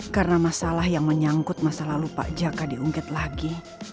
karena masalah yang menyangkut masa lalu pak jaka diungkit lagi